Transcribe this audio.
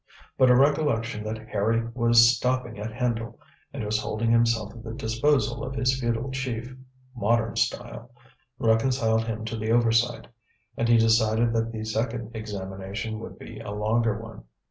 But a recollection that Harry was stopping at Hendle, and was holding himself at the disposal of his feudal chief modern style reconciled him to the oversight, and he decided that the second examination would be a longer one.